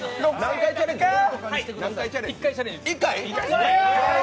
１回チャレンジ？